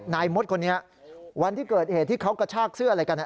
มดคนนี้วันที่เกิดเหตุที่เขากระชากเสื้ออะไรกัน